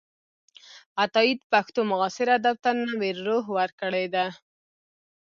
عطاييد پښتو معاصر ادب ته نوې روح ورکړې ده.